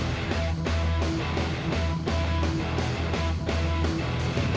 kita jalan ke dondong